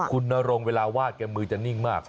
คุณนรงเวลาวาดแกมือจะนิ่งมาก